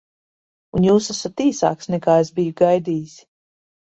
Un jūs esat īsāks, nekā es biju gaidījis.